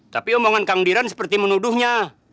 tapi omongan kang diren seperti menuduhnya